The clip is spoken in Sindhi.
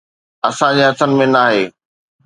اسان جي هٿن ۾ ناهي